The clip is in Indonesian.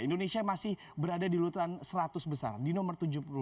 indonesia masih berada di urutan seratus besar di nomor tujuh puluh lima